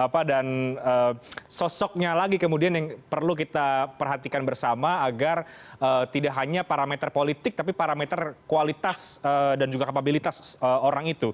apa dan sosoknya lagi kemudian yang perlu kita perhatikan bersama agar tidak hanya parameter politik tapi parameter kualitas dan juga kapabilitas orang itu